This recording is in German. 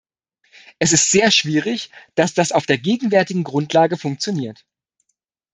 Es ist sehr schwierig, dass das auf der gegenwärtigen Grundlage funktioniert.